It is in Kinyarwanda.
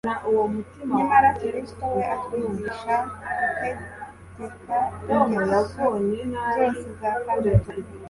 nyamara Kristo we atwigisha gutegeka ingeso zose za kamere.